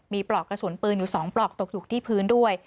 มีปลอกกระสุนปืนอยู่๒ปลอกตกอยู่ที่พื้นด้วย